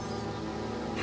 jangan lupa jangan lupa